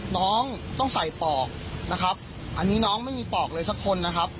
น้องต้องใส่ปอกนะครับอันนี้น้องไม่มีปอกเลยสักคนนะครับ